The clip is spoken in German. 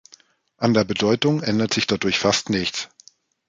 An der Bedeutung ändert sich dadurch fast nichts.